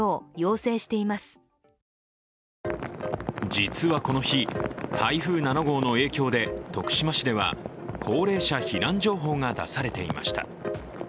実はこの日、台風７号の影響で徳島市では高齢者避難情報が出されていました。